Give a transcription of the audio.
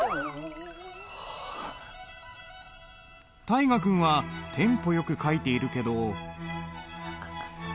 大河君はテンポよく書いているけど。